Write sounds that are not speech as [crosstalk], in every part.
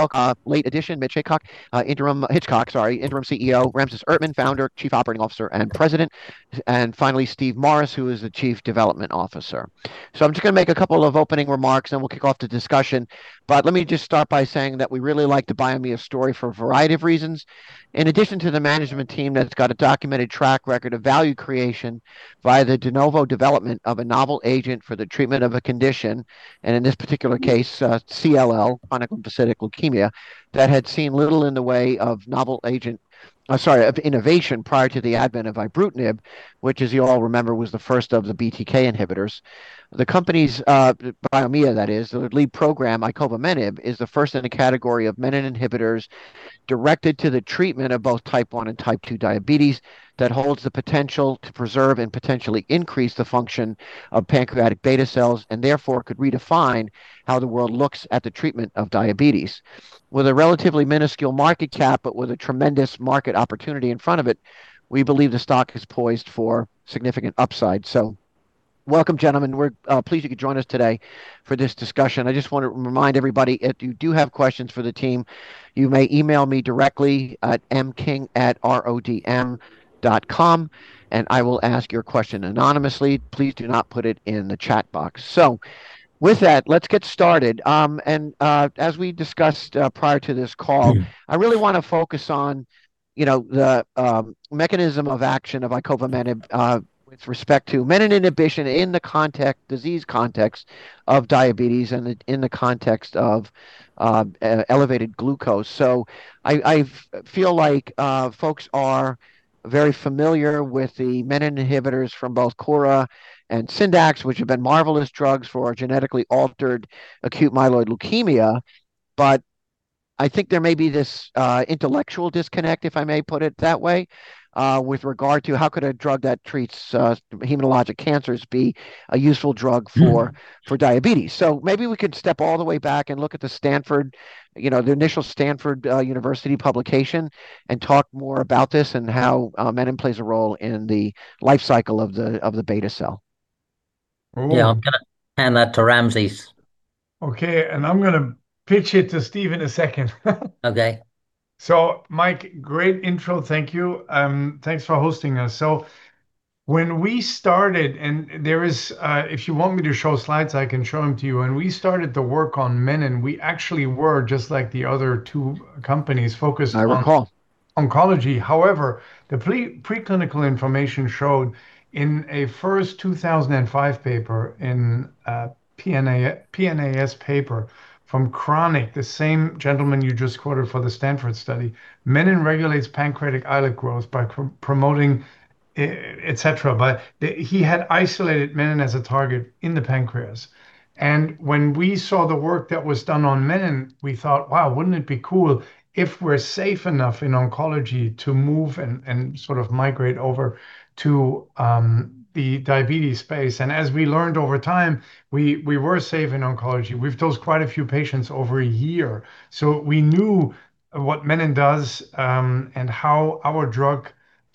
Well, late addition, Mick Hitchcock, interim CEO. Ramses Erdtmann, Founder, Chief Operating Officer, and President. Finally, Steve Morris, who is the Chief Development Officer. I'm just gonna make a couple of opening remarks, then we'll kick off the discussion. Let me just start by saying that we really like the Biomea story for a variety of reasons. In addition to the management team that's got a documented track record of value creation via the de novo development of a novel agent for the treatment of a condition, and in this particular case, CLL, chronic lymphocytic leukemia, that had seen little in the way of innovation prior to the advent of ibrutinib, which, as you all remember, was the first of the BTK inhibitors. The company's, Biomea, that is, their lead program, icovamenib, is the first in the category of menin inhibitors directed to the treatment of both Type 1 and Type 2 diabetes that holds the potential to preserve and potentially increase the function of pancreatic beta cells, and therefore could redefine how the world looks at the treatment of diabetes. With a relatively minuscule market cap but with a tremendous market opportunity in front of it, we believe the stock is poised for significant upside. Welcome, gentlemen. We're pleased you could join us today for this discussion. I just want to remind everybody, if you do have questions for the team, you may email me directly at mking@rodm.com, and I will ask your question anonymously. Please do not put it in the chat box. With that, let's get started. As we discussed prior to this call, really wanna focus on, you know, the mechanism of action of icovamenib with respect to menin inhibition in the context, disease context of diabetes and in the context of elevated glucose. I feel like folks are very familiar with the menin inhibitors from both Kura and Syndax, which have been marvelous drugs for genetically altered acute myeloid leukemia. I think there may be this intellectual disconnect, if I may put it that way, with regard to how could a drug that treats hematologic cancers be a useful drug for diabetes. Maybe we could step all the way back and look at the Stanford, you know, the initial Stanford University publication and talk more about this and how menin plays a role in the life cycle of the beta cell. Ooh. Yeah, I'm gonna hand that to Ramses. Okay, I'm gonna pitch it to Steve in a second. Okay. Mike, great intro. Thank you. Thanks for hosting us. So when we started and there is a, if your want me to show slide, i can show it to you. When we started the work on menin, we actually were, just like the other two companies, focused on- I recall.... oncology. However, the preclinical information showed in a 2005 paper in a PNAS paper from Karnik, the same gentleman you just quoted for the Stanford study, menin regulates pancreatic islet growth by promoting, etc. But he had isolated menin as a target in the pancreas. When we saw the work that was done on menin, we thought, "Wow, wouldn't it be cool if we're safe enough in oncology to move and sort of migrate over to the diabetes space?" As we learned over time, we were safe in oncology. We've dosed quite a few patients over a year, so we knew what menin does, and how our drug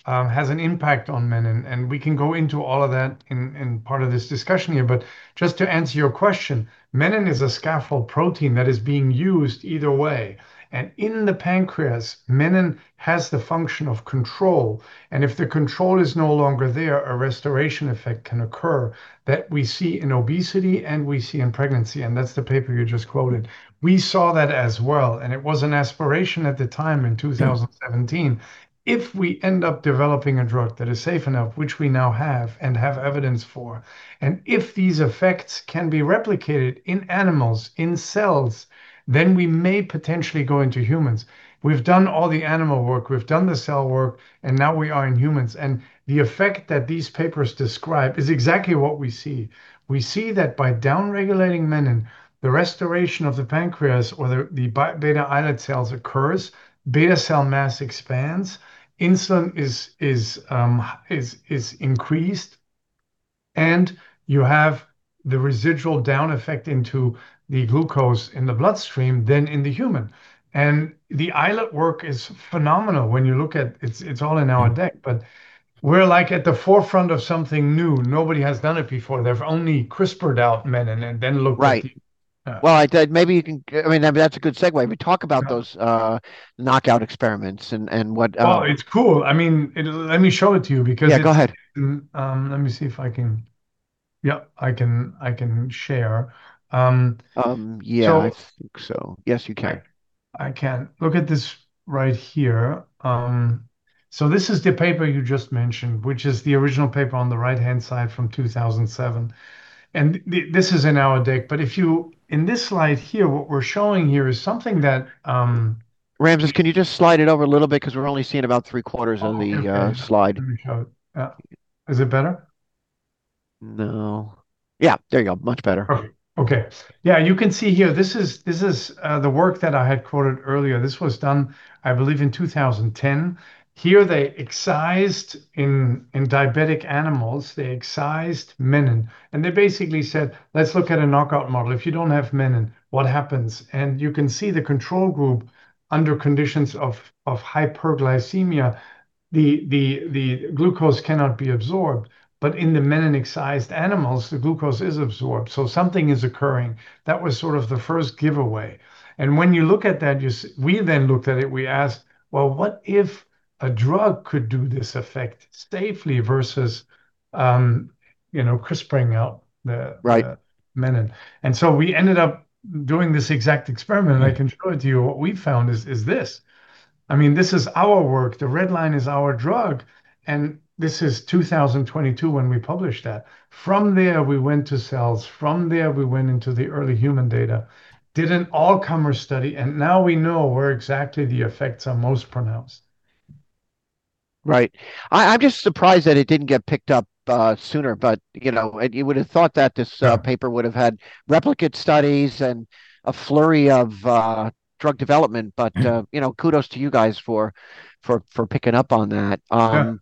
has an impact on menin. We can go into all of that in part of this discussion here. Just to answer your question, menin is a scaffold protein that is being used either way, and in the pancreas, menin has the function of control. If the control is no longer there, a restoration effect can occur that we see in obesity and we see in pregnancy, and that's the paper you just quoted. We saw that as well, and it was an aspiration at the time in 2017, if we end up developing a drug that is safe enough, which we now have and have evidence for, and if these effects can be replicated in animals, in cells, then we may potentially go into humans. We've done all the animal work, we've done the cell work, and now we are in humans, and the effect that these papers describe is exactly what we see. We see that by down-regulating menin, the restoration of the pancreas or the beta islet cells occurs, beta cell mass expands, insulin is increased, and you have the residual down effect into the glucose in the bloodstream than in the human. The islet work is phenomenal when you look at it. It's all in our deck. We're, like, at the forefront of something new. Nobody has done it before. They've only CRISPRed out menin and then looked at the Right. Well, maybe you can, I mean, that's a good segue. We talk about those. Yeah knockout experiments and what Oh, it's cool. I mean, let me show it to you because it's Yeah, go ahead. Yeah, I can share. Yeah, I think so. Yes, you can I can. Look at this right here. This is the paper you just mentioned, which is the original paper on the right-hand side from 2007. This is in our deck. If you, in this slide here, what we're showing here is something that, Ramses, can you just slide it over a little bit? 'Cause we're only seeing about three quarters on the slide. Oh, okay. Let me show it. Is it better? No. Yeah, there you go. Much better. Okay. Yeah, you can see here, this is the work that I had quoted earlier. This was done, I believe, in 2010. Here they excised menin in diabetic animals, and they basically said, "Let's look at a knockout model. If you don't have menin, what happens?" You can see the control group under conditions of hyperglycemia. The glucose cannot be absorbed, but in the menin-excised animals, the glucose is absorbed. Something is occurring. That was sort of the first giveaway. When you look at that, we then looked at it, we asked, "Well, what if a drug could do this effect safely versus you know, CRISPRing out the- Right... the menin? We ended up doing this exact experiment, and I can show it to you. What we've found is this. I mean, this is our work. The red line is our drug, and this is 2022 when we published that. From there, we went to cells. From there, we went into the early human data, did an all-comer study, and now we know where exactly the effects are most pronounced. Right. I'm just surprised that it didn't get picked up sooner, but, you know, and you would've thought that this, Yeah Paper would've had replicate studies and a flurry of drug development. You know, kudos to you guys for picking up on that. Yeah.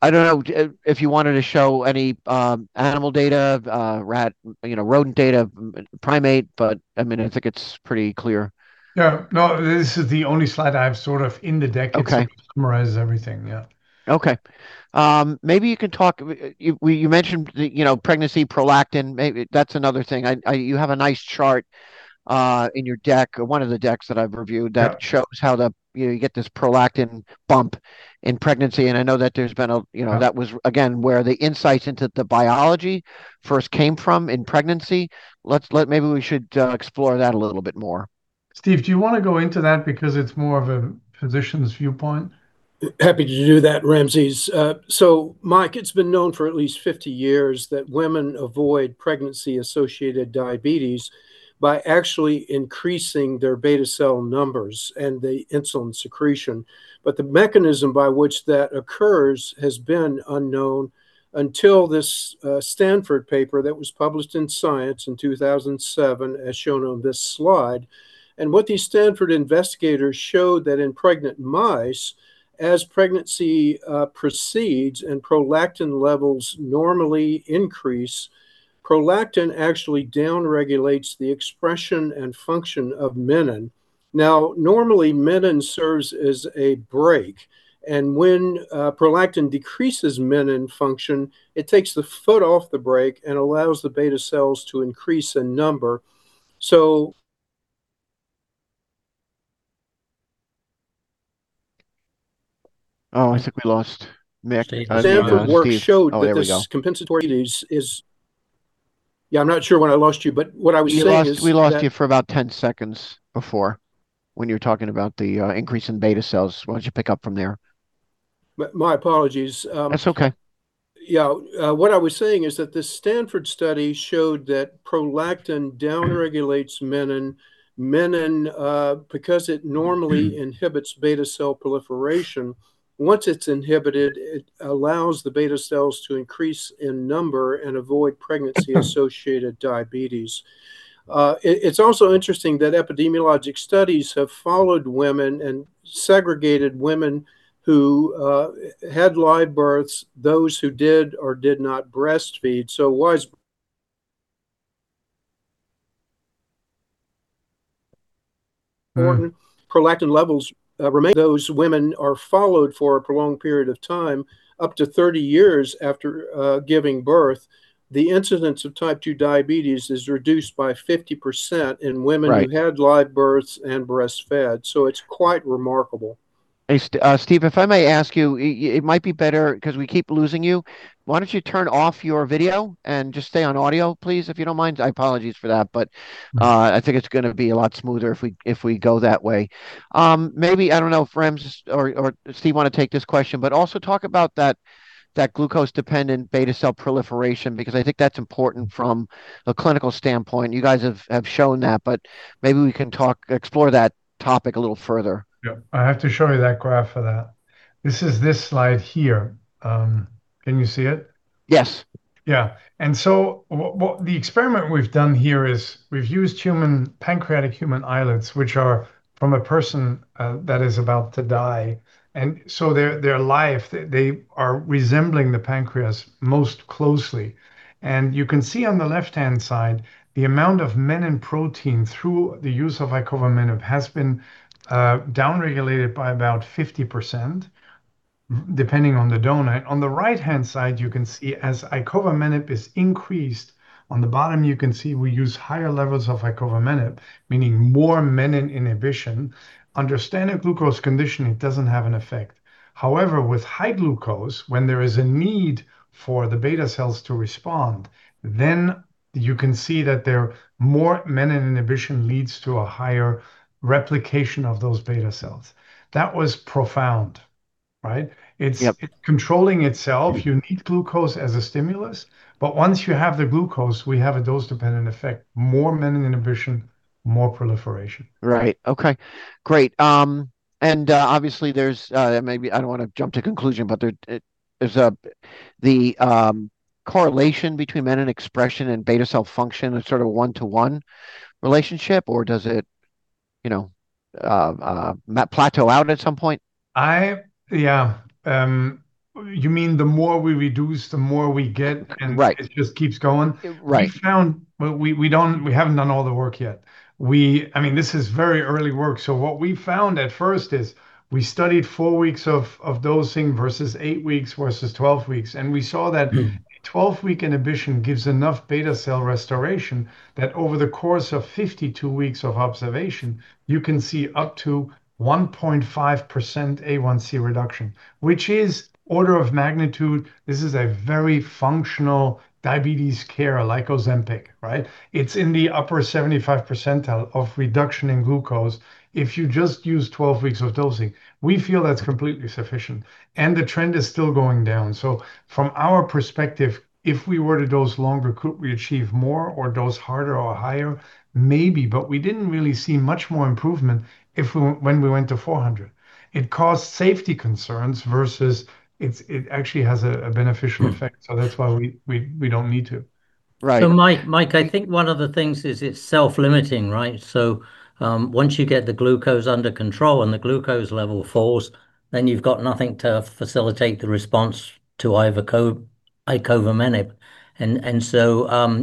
I don't know if you wanted to show any animal data, rat, you know, rodent data, primate, but I mean, I think it's pretty clear. No, no, this is the only slide I have sort of in the deck. Okay That summarizes everything, yeah. Okay. Maybe you can talk. You mentioned the, you know, pregnancy prolactin, maybe. That's another thing. You have a nice chart in your deck, or one of the decks that I've reviewed that shows how the, you know, you get this prolactin bump in pregnancy, and I know that there's been a, you know, that was, again, where the insights into the biology first came from in pregnancy. Maybe we should explore that a little bit more. Steve, do you wanna go into that? Because it's more of a physician's viewpoint. Happy to do that, Ramses. Mike, it's been known for at least 50 years that women avoid pregnancy-associated diabetes by actually increasing their beta cell numbers and the insulin secretion. The mechanism by which that occurs has been unknown until this Stanford paper that was published in Science in 2007, as shown on this slide. What these Stanford investigators showed that in pregnant mice, as pregnancy proceeds and prolactin levels normally increase, prolactin actually down regulates the expression and function of menin. Now, normally, menin serves as a brake, and when prolactin decreases menin function, it takes the foot off the brake and allows the beta cells to increase in number. Oh, I think we lost Mick. No, Steve. Stanford work showed. Oh, there we go. that this compensatory is. Yeah, I'm not sure when I lost you, but what I was saying is that. You lost, we lost you for about 10 seconds before, when you were talking about the increase in beta cells. Why don't you pick up from there? My apologies. That's okay. Yeah. What I was saying is that the Stanford study showed that prolactin down regulates menin. Menin, because it normally inhibits beta cell proliferation, once it's inhibited, it allows the beta cells to increase in number and avoid pregnancy-associated diabetes. It's also interesting that epidemiologic studies have followed women and segregated women who had live births, those who did or did not breastfeed, so whose prolactin levels remain. Those women are followed for a prolonged period of time, up to 30 years after giving birth. The incidence of Type 2 diabetes is reduced by 50% in women- Right who had live births and breastfed, so it's quite remarkable. Hey Steve, if I may ask you, it might be better, 'cause we keep losing you, why don't you turn off your video and just stay on audio, please, if you don't mind? I apologize for that, but I think it's gonna be a lot smoother if we go that way. Maybe, I don't know if Ramses or Steve wanna take this question, but also talk about that glucose-dependent beta cell proliferation, because I think that's important from a clinical standpoint. You guys have shown that, but maybe we can talk, explore that topic a little further. Yeah. I have to show you that graph for that. This is this slide here. Can you see it? Yes. Yeah. What the experiment we've done here is we've used human pancreatic islets, which are from a person that is about to die. They're live. They are resembling the pancreas most closely. You can see on the left-hand side the amount of menin protein through the use of icovamenib has been downregulated by about 50%, depending on the donor. On the right-hand side, you can see as icovamenib is increased. On the bottom you can see we use higher levels of icovamenib, meaning more menin inhibition. Under standard glucose conditioning, it doesn't have an effect. However, with high glucose, when there is a need for the beta cells to respond, then you can see that the more menin inhibition leads to a higher replication of those beta cells. That was profound, right? It's Yep It's controlling itself. You need glucose as a stimulus, but once you have the glucose, we have a dose-dependent effect. More menin inhibition, more proliferation. Right. Okay. Great. Obviously, there's maybe I don't wanna jump to conclusions, but there it is, the correlation between menin expression and beta cell function a sort of one-to-one relationship, or does it, you know, plateau out at some point? Yeah. You mean the more we reduce, the more we get? Right it just keeps going? Right. We haven't done all the work yet. I mean, this is very early work, so what we found at first is we studied four weeks of dosing versus eight weeks versus 12 weeks, and we saw that. 12-week inhibition gives enough beta cell restoration that over the course of 52 weeks of observation you can see up to 1.5% A1C reduction, which is order of magnitude. This is a very functional diabetes care, like Ozempic, right? It's in the upper 75 percentile of reduction in glucose if you just use 12 weeks of dosing. We feel that's completely sufficient, and the trend is still going down. From our perspective, if we were to dose longer, could we achieve more or dose harder or higher? Maybe, but we didn't really see much more improvement when we went to 400. It caused safety concerns versus it's, it actually has a beneficial effect. So that's why we don't need to. Right. Mike, I think one of the things is it's self-limiting, right? Once you get the glucose under control and the glucose level falls, then you've got nothing to facilitate the response to icovamenib.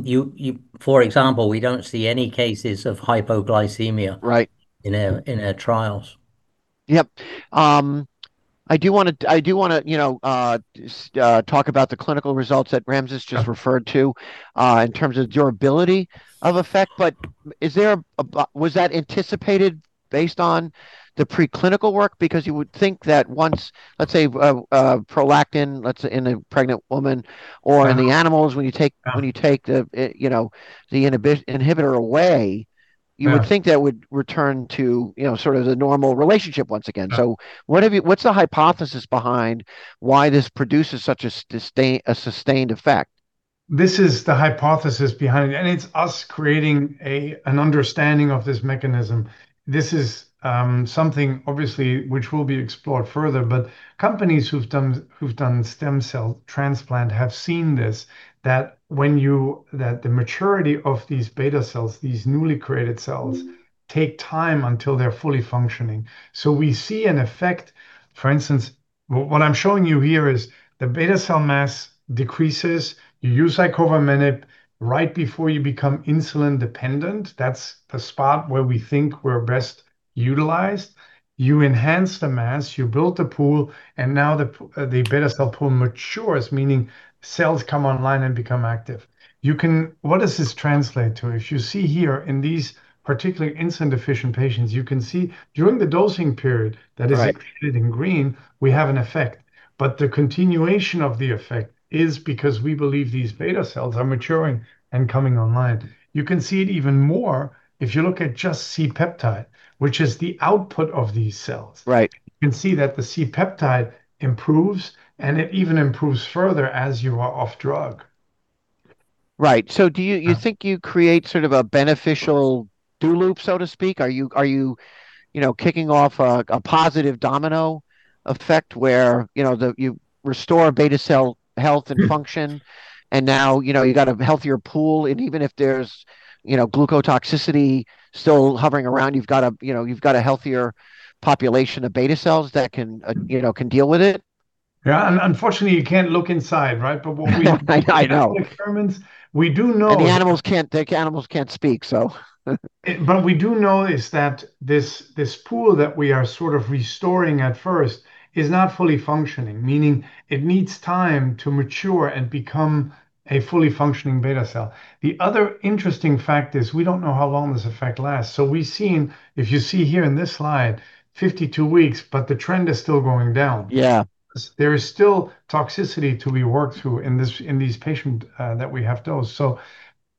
You, for example, we don't see any cases of hypoglycemia- Right in our trials. Yep. I do wanna, you know, talk about the clinical results that Ramses just referred to, in terms of durability of effect. Was that anticipated based on the preclinical work? Because you would think that once, let's say, prolactin, let's say in a pregnant woman, or in the animals when you take when you take the, you know, the inhibitor away Yeah You would think that would return to, you know, sort of the normal relationship once again. Yeah. What's the hypothesis behind why this produces such a sustained effect? This is the hypothesis behind it, and it's us creating an understanding of this mechanism. This is something obviously which will be explored further. Companies who've done stem cell transplant have seen this, that the maturity of these beta cells, these newly created cells, take time until they're fully functioning. We see an effect. For instance, what I'm showing you here is the beta cell mass decreases. You use icovamenib right before you become insulin dependent. That's the spot where we think we're best utilized. You enhance the mass, you build the pool, and now the beta cell pool matures, meaning cells come online and become active. You can, what does this translate to? If you see here in these particular insulin-deficient patients, you can see during the dosing period that is- Right Included in green, we have an effect, but the continuation of the effect is because we believe these beta cells are maturing and coming online. You can see it even more if you look at just C-peptide, which is the output of these cells. Right. You can see that the C-peptide improves, and it even improves further as you are off drug. Right. Do you think you create sort of a beneficial do loop, so to speak? Are you know, kicking off a positive domino effect where, you know, then you restore beta cell health and function, and now, you know, you got a healthier pool, and even if there's, you know, glucotoxicity still hovering around, you've got a healthier population of beta cells that can, you know, deal with it? Yeah. Unfortunately, you can't look inside, right? But what we- I know. In these experiments, we do know. The animals can't speak, so We do know that this pool that we are sort of restoring at first is not fully functioning, meaning it needs time to mature and become a fully functioning beta cell. The other interesting fact is we don't know how long this effect lasts. We've seen, if you see here in this slide, 52 weeks, but the trend is still going down. Yeah. There is still toxicity to be worked through in this, in these patients that we have dosed.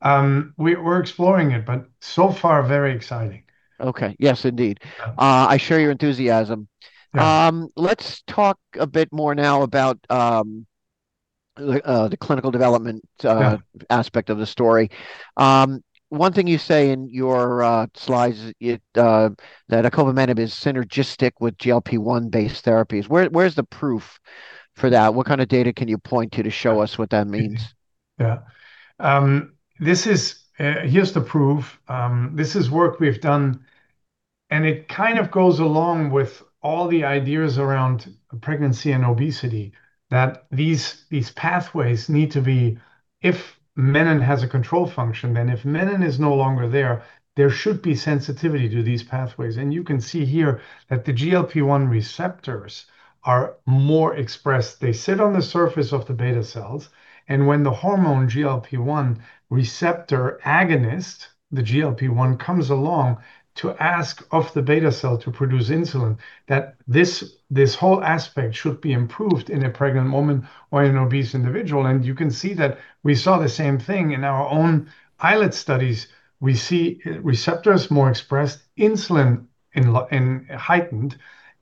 We're exploring it, but so far very exciting. Okay. Yes, indeed. Yeah. I share your enthusiasm. Yeah. Let's talk a bit more now about the clinical development. Yeah aspect of the story. One thing you say in your slides that icovamenib is synergistic with GLP-1 based therapies. Where's the proof for that? What kind of data can you point to to show us what that means? Yeah. Here's the proof. This is work we've done, and it kind of goes along with all the ideas around pregnancy and obesity, that these pathways need to be, if menin has a control function, then if menin is no longer there should be sensitivity to these pathways. You can see here that the GLP-1 receptors are more expressed. They sit on the surface of the beta cells, and when the hormone GLP-1 receptor agonist, the GLP-1, comes along to ask of the beta cell to produce insulin, that this whole aspect should be improved in a pregnant woman or in obese individual. You can see that we saw the same thing in our own pilot studies. We see receptors more expressed, insulin heightened.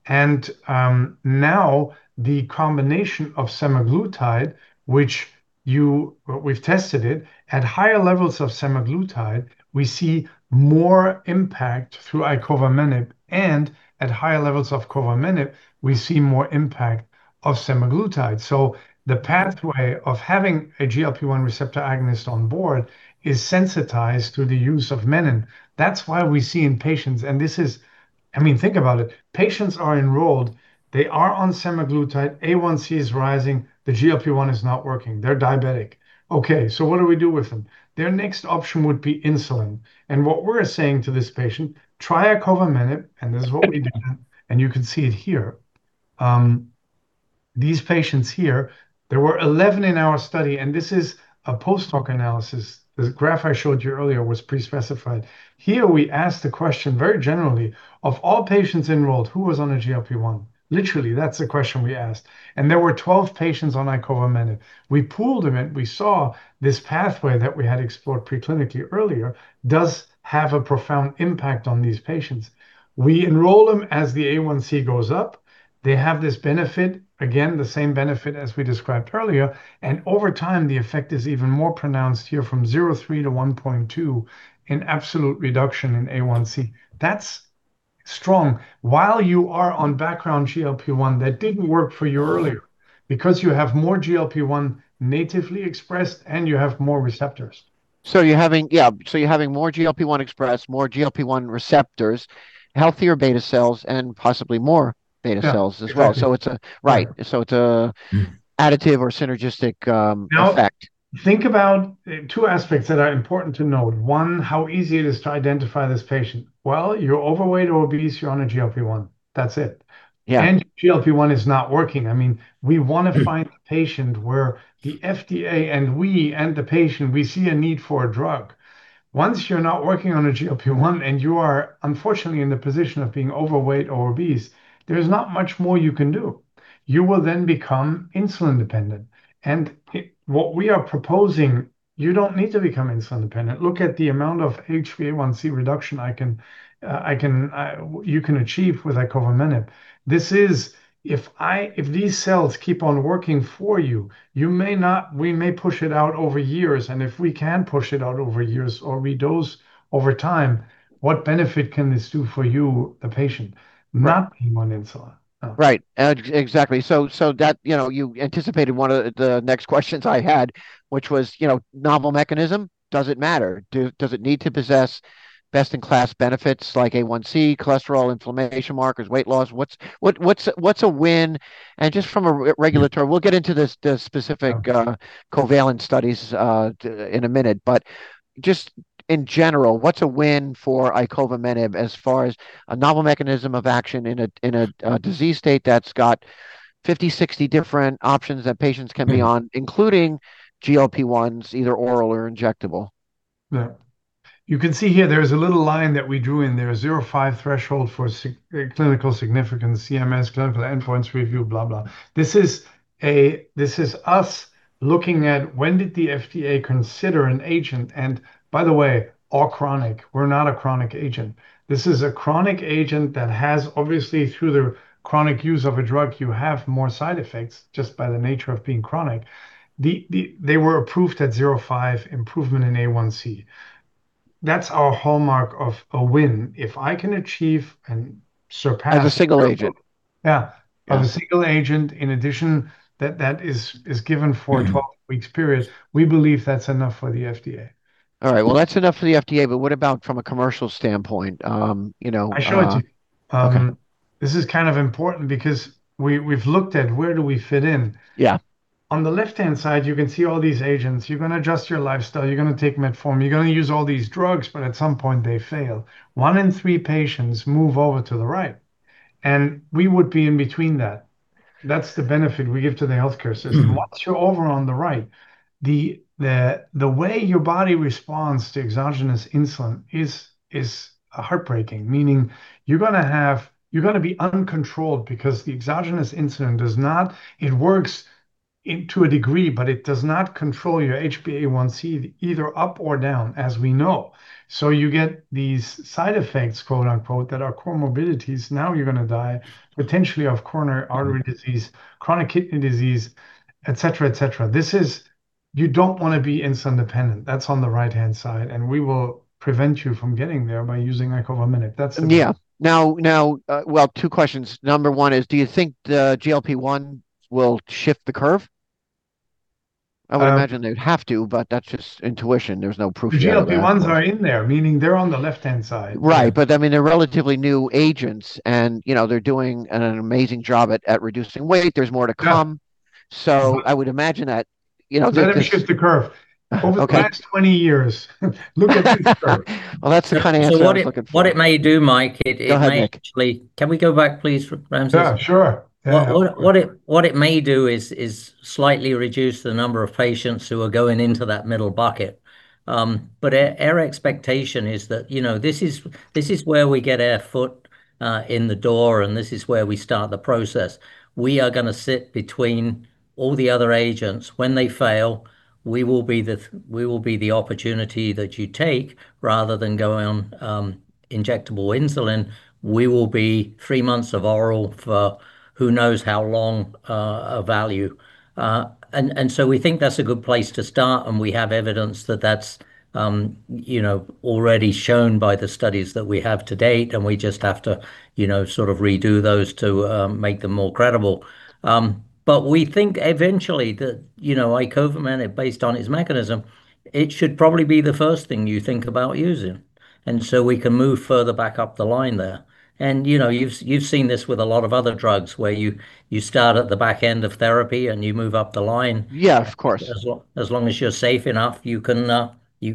Now the combination of semaglutide, which you, we've tested it, at higher levels of semaglutide, we see more impact through icovamenib, and at higher levels of icovamenib, we see more impact of semaglutide. The pathway of having a GLP-1 receptor agonist on board is sensitized to the use of menin. That's why we see in patients, and this is. I mean, think about it. Patients are enrolled. They are on semaglutide. A1C is rising. The GLP-1 is not working. They're diabetic. Okay, what do we do with them? Their next option would be insulin, and what we're saying to this patient, "Try icovamenib," and this is what we did, and you can see it here. These patients here, there were 11 in our study, and this is a post-hoc analysis. The graph I showed you earlier was pre-specified. Here, we asked the question very generally, "Of all patients enrolled, who was on a GLP-1?" Literally, that's the question we asked. There were 12 patients on icovamenib. We pooled them, and we saw this pathway that we had explored pre-clinically earlier does have a profound impact on these patients. We enroll them as the A1C goes up. They have this benefit, again, the same benefit as we described earlier, and over time, the effect is even more pronounced here from 0.3-1.2 in absolute reduction in A1C. That's strong. While you are on background GLP-1 that didn't work for you earlier, because you have more GLP-1 natively expressed and you have more receptors. You're having more GLP-1 expressed, more GLP-1 receptors, healthier beta cells, and possibly more beta cells as well. Yeah, exactly. Right. It's a additive or synergistic effect. Now, think about two aspects that are important to note. One, how easy it is to identify this patient. Well, you're overweight or obese, you're on a GLP-1. That's it. Yeah. Your GLP-1 is not working. I mean, we wanna find a patient where the FDA and we and the patient, we see a need for a drug. Once you're not working on a GLP-1 and you are unfortunately in the position of being overweight or obese, there is not much more you can do. You will then become insulin dependent. What we are proposing, you don't need to become insulin dependent. Look at the amount of HbA1c reduction you can achieve with icovamenib. This is if these cells keep on working for you, we may push it out over years. If we can push it out over years or redose over time, what benefit can this do for you, the patient? Not being on insulin. Right. Exactly. So that, you know, you anticipated one of the next questions I had, which was, you know, novel mechanism, does it matter? Does it need to possess best-in-class benefits like A1C, cholesterol, inflammation markers, weight loss? What's a win? Just from a regular term, we'll get into this, the specific- Okay Covalent studies in a minute. Just in general, what's a win for icovamenib as far as a novel mechanism of action in a disease state that's got 50, 60 different options that patients can be on? Including GLP-1s, either oral or injectable? Yeah. You can see here there's a little line that we drew in there, 0.5 threshold for clinical significance, CMS, clinical endpoints review, blah blah. This is us looking at when did the FDA consider an agent, and by the way, all chronic. We're not a chronic agent. This is a chronic agent that has obviously, through the chronic use of a drug, you have more side effects just by the nature of being chronic. The they were approved at 0.5 improvement in A1C. That's our hallmark of a win. If I can achieve and surpass- As a single agent. Yeah. Of a single agent, in addition, that is given for a 12-week period, we believe that's enough for the FDA. All right. Well, that's enough for the FDA, but what about from a commercial standpoint? You know. I show it to you. This is kind of important because we've looked at where we fit in. Yeah. On the left-hand side, you can see all these agents. You're gonna adjust your lifestyle. You're gonna take metformin. You're gonna use all these drugs, but at some point, they fail. One in three patients move over to the right, and we would be in between that. That's the benefit we give to the healthcare system. Once you're over on the right, the way your body responds to exogenous insulin is heartbreaking. Meaning you're gonna be uncontrolled because the exogenous insulin does not. It works in to a degree, but it does not control your HbA1c either up or down, as we know. So you get these side effects, quote-unquote, that are comorbidities. Now you're gonna die potentially of coronary artery disease, chronic kidney disease, et cetera, et cetera. You don't wanna be insulin dependent. That's on the right-hand side, and we will prevent you from getting there by using icovamenib. That's the Yeah. Well, two questions. Number one is, do you think the GLP-1 will shift the curve? I would imagine they'd have to, but that's just intuition. There's no proof yet of that. The GLP-1s are in there, meaning they're on the left-hand side. Right. I mean, they're relatively new agents and, you know, they're doing an amazing job at reducing weight. There's more to come. So I would imagine that, you know, the- They didn't shift the curve. Okay. Over the last 20 years, look at this curve. Well, that's the kind of answer I was looking for. What it may do, Mike, it may actually Go ahead, Mick. Can we go back, please, Ramses? Yeah, sure. Yeah. What it may do is slightly reduce the number of patients who are going into that middle bucket. Our expectation is that, you know, this is where we get our foot in the door, and this is where we start the process. We are gonna sit between all the other agents. When they fail, we will be the opportunity that you take rather than going on injectable insulin. We will be three months of oral for who knows how long, a value. So we think that's a good place to start, and we have evidence that that's, you know, already shown by the studies that we have to date, and we just have to, you know, sort of redo those to make them more credible. We think eventually that, you know, icovamenib, based on its mechanism, it should probably be the first thing you think about using, and so we can move further back up the line there. You know, you've seen this with a lot of other drugs where you start at the back end of therapy and you move up the line. Yeah, of course. As long as you're safe enough, you can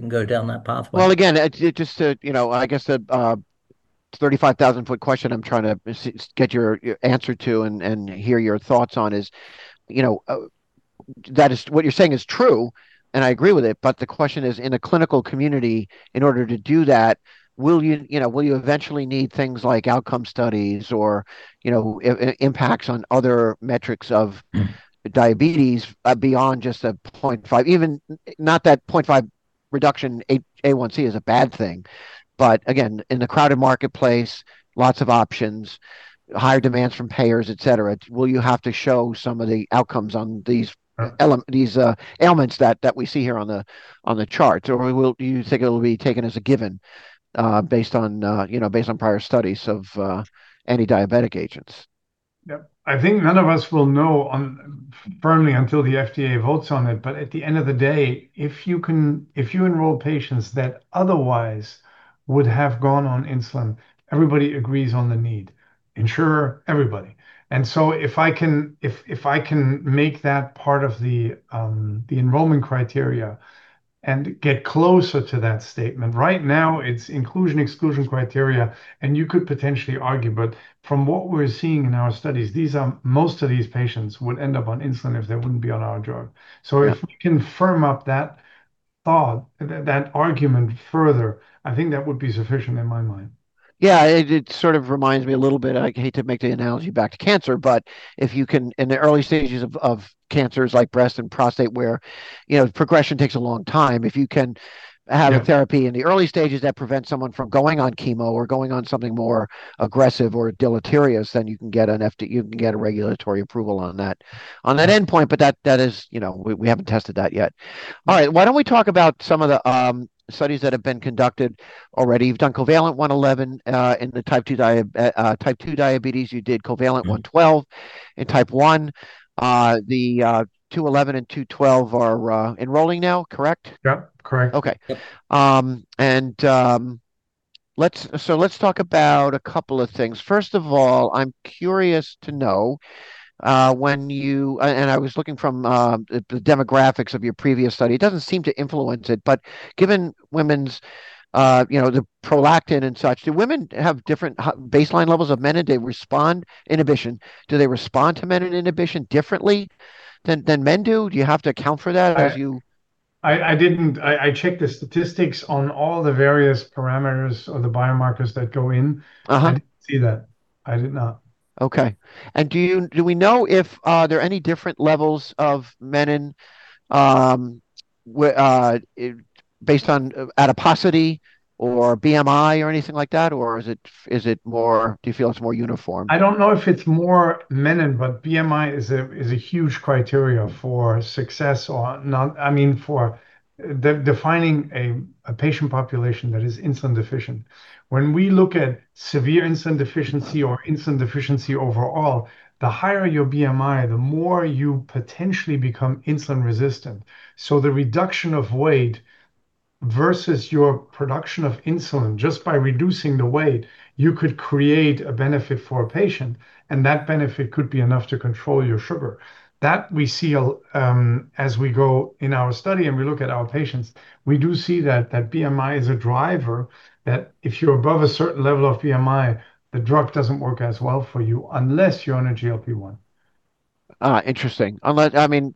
go down that pathway. Well, again, just to, you know, I guess to—It's a 35,000-foot question I'm trying to get your answer to and hear your thoughts on is, you know, that is what you're saying is true, and I agree with it, but the question is, in a clinical community, in order to do that, will you know, eventually need things like outcome studies or, you know, impacts on other metrics of diabetes beyond just 0.5. Even a 0.5 reduction in A1C is not a bad thing, but again, in the crowded marketplace, lots of options, higher demands from payers, et cetera. Will you have to show some of the outcomes on these ailments that we see here on the chart? Or do you think it will be taken as a given, based on, you know, based on prior studies of antidiabetic agents? Yeah. I think none of us will know firmly until the FDA votes on it. At the end of the day, if you enroll patients that otherwise would have gone on insulin, everybody agrees on the need. Insurers, everybody. If I can make that part of the enrollment criteria and get closer to that statement, right now it's inclusion/exclusion criteria, and you could potentially argue, but from what we're seeing in our studies, most of these patients would end up on insulin if they wouldn't be on our drug. If we can firm up that thought, that argument further, I think that would be sufficient in my mind. Yeah. It sort of reminds me a little bit. I hate to make the analogy back to cancer, but if you can, in the early stages of cancers like breast and prostate where, you know, progression takes a long time, if you can have. Yeah A therapy in the early stages that prevents someone from going on chemo or going on something more aggressive or deleterious, then you can get a regulatory approval on that, on that endpoint, but that is, you know, we haven't tested that yet. All right. Why don't we talk about some of the studies that have been conducted already. You've done COVALENT-111 in type 2 diabetes. You did COVALENT-112 in type 1. The COVALENT-211 and COVALENT-212 are enrolling now, correct? Yep, correct. Okay. Let's talk about a couple of things. First of all, I'm curious to know, and I was looking at the demographics of your previous study, it doesn't seem to influence it, but given women's, you know, the prolactin and such, do women have different baseline levels of menin and their response to inhibition? Do they respond to menin inhibition differently than men do? Do you have to account for that as you- I didn't. I checked the statistics on all the various parameters of the biomarkers that go in. I didn't see that. I did not. Okay. Do we know if there are any different levels of menin where based on adiposity or BMI or anything like that, or is it more uniform? Do you feel it's more uniform? I don't know if it's more menin, but BMI is a huge criterion for success or not. I mean, for defining a patient population that is insulin deficient. When we look at severe insulin deficiency or insulin deficiency overall, the higher your BMI, the more you potentially become insulin resistant. The reduction of weight versus your production of insulin, just by reducing the weight, you could create a benefit for a patient, and that benefit could be enough to control your sugar. We see, as we go in our study and we look at our patients, that BMI is a driver, that if you're above a certain level of BMI, the drug doesn't work as well for you unless you're on a GLP-1. Interesting. I mean,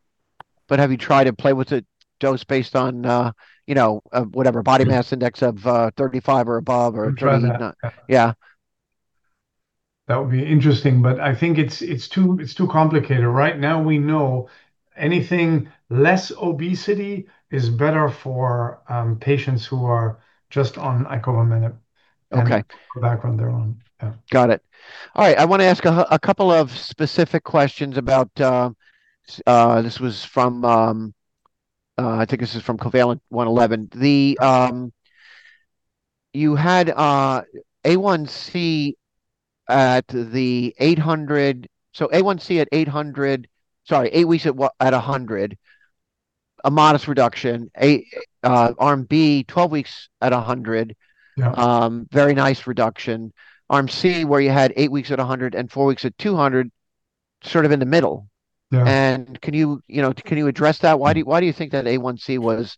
have you tried to play with the dose based on, you know, whatever body mass index of 35 or above or trying to- We've tried that, yeah. Yeah. That would be interesting, but I think it's too complicated. Right now we know any less obesity is better for patients who are just on icovamenib. Okay the background they're on. Yeah. Got it. All right. I want to ask a couple of specific questions about this was from. I think this is from COVALENT-111. You had A1C at the 8.0. So A1C at 8.0. Sorry, 8 weeks at 100. A modest reduction. Arm B, 12 weeks at 100. Yeah. Very nice reduction. Arm C, where you had eight weeks at 100 and four weeks at 200, sort of in the middle. Yeah. Can you know, address that? Why do you think that A1C was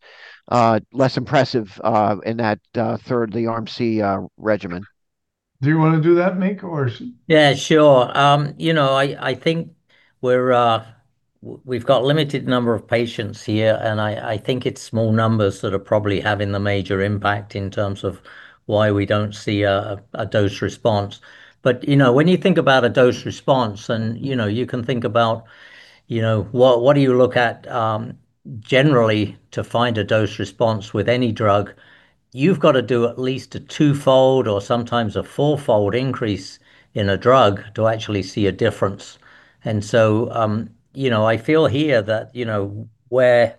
less impressive in that third arm C regimen? Do you wanna do that, Mick, or? Yeah, sure. You know, I think we're we've got limited number of patients here, and I think it's small numbers that are probably having the major impact in terms of why we don't see a dose response. You know, when you think about a dose response and you know, you can think about you know, what do you look at generally to find a dose response with any drug, you've got to do at least a twofold or sometimes a fourfold increase in a drug to actually see a difference. You know, I feel here that, you know, where,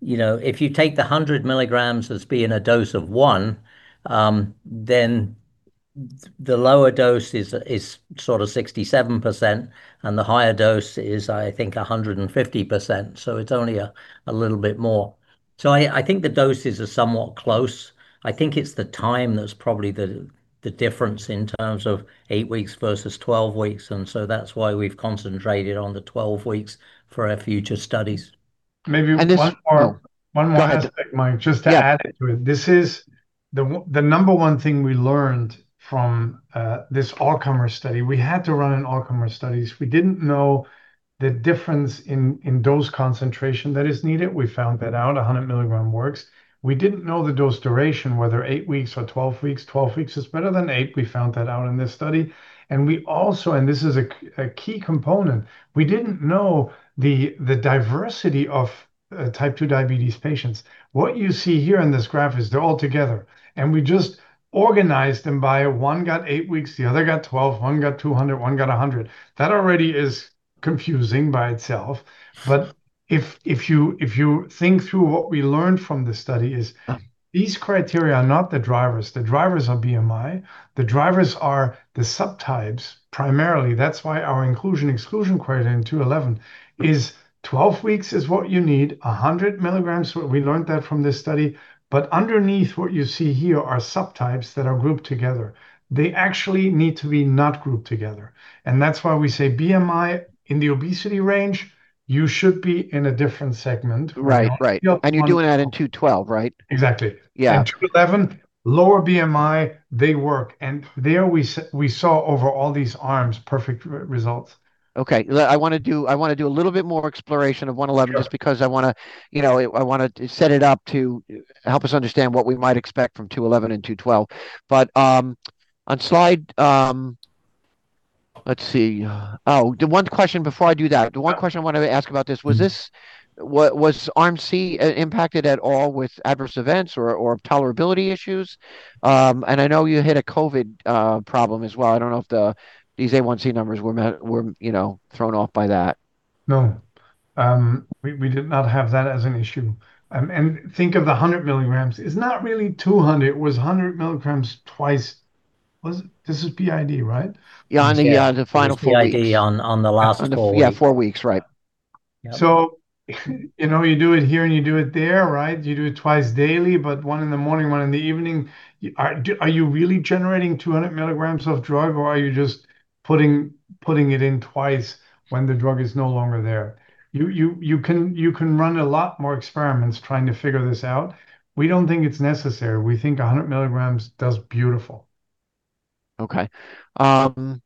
you know, if you take the 100 mg as being a dose of one, then the lower dose is sort of 67%, and the higher dose is, I think, 150%, so it's only a little bit more. I think the doses are somewhat close. I think it's the time that's probably the difference in terms of eight weeks versus 12 weeks, and that's why we've concentrated on the 12 weeks for our future studies. Maybe one more. One more aspect, Mike. Go ahead. Yeah Just to add to it. This is the number one thing we learned from this all-comer study. We had to run an all-comer studies. We didn't know the difference in dose concentration that is needed. We found that out, 100 mg works. We didn't know the dose duration, whether eight weeks or 12 weeks. 12 weeks is better than eight. We found that out in this study. We also, and this is a key component, we didn't know the diversity of Type 2 diabetes patients. What you see here in this graph is they're all together, and we just organized them by one got eight weeks, the other got 12, one got 200, one got 100. That already is confusing by itself. If you think through what we learned from this study is. Yeah These criteria are not the drivers. The drivers are BMI. The drivers are the subtypes primarily. That's why our inclusion/exclusion criteria in 211 is 12 weeks is what you need, 100 mg, we learned that from this study, but underneath what you see here are subtypes that are grouped together. They actually need to be not grouped together, and that's why we say BMI in the obesity range, you should be in a different segment. Right. Right. You know. You're doing that in COVALENT-212, right? Exactly. Yeah. In 211, lower BMI, they work, and there we saw overall these arms perfect results. Okay. I wanna do a little bit more exploration of 111 just because I wanna, you know, I wanna set it up to help us understand what we might expect from 211 and COVALENT-212. On slide. Let's see. Oh, the one question before I do that. The one question I wanted to ask about this. Was this was ARM-C impacted at all with adverse events or tolerability issues? And I know you hit a COVID problem as well. I don't know if these A1C numbers were, you know, thrown off by that. No. We did not have that as an issue. Think of the 100 mg. It's not really 200. It was 100 mg twice. Was it? This is BID, right? Yeah. Yes. The final four weeks. BID on the last four weeks. On the, yeah, four weeks. Right. Yep. You know, you do it here and you do it there, right? You do it twice daily, but one in the morning, one in the evening. Are you really generating 200 mg of drug or are you just putting it in twice when the drug is no longer there? You can run a lot more experiments trying to figure this out. We don't think it's necessary. We think 100 mg does beautiful. Okay. On